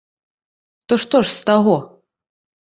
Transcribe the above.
То што ж з таго?